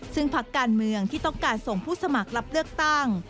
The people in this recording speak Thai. ซึ่งพักการเมืองที่ต้องการส่งผู้สมัครรับเลือกตั้ง